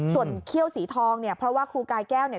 ส่วนเขี้ยวสีทองเนี่ยเพราะว่าครูกายแก้วเนี่ย